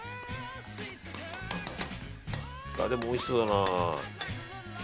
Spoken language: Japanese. でも、おいしそうだな。